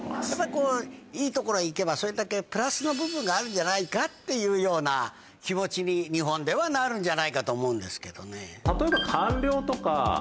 やっぱりいいところへ行けばそれだけプラスの部分があるんじゃないかっていうような気持ちに日本ではなるんじゃないかと思うんですけどね。